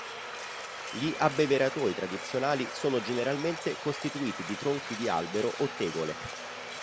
Gli abbeveratoi tradizionali sono generalmente costituiti di tronchi di albero o tegole.